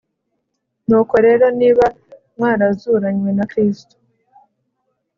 Nuko rero niba mwarazuranywe na Kristo